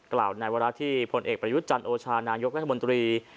กล่าวในวาระที่ผลเอกประยุทธ์จันโอชานายกรัฐมนตรี